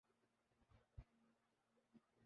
مخالفین نفسیاتی محاذ پر زیادہ سرگرم ہیں۔